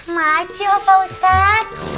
makasih pak ustadz